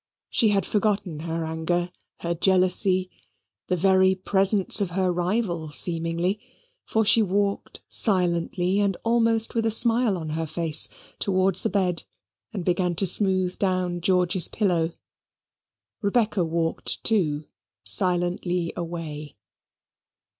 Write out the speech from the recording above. She had forgotten her anger, her jealousy, the very presence of her rival seemingly. For she walked silently and almost with a smile on her face, towards the bed, and began to smooth down George's pillow. Rebecca walked, too, silently away.